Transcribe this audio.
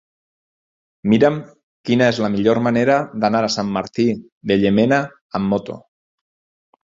Mira'm quina és la millor manera d'anar a Sant Martí de Llémena amb moto.